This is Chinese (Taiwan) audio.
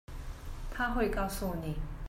她會告訴你